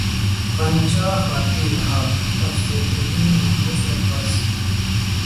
غنچۂ خاطر رہا افسردگی مانوس و بس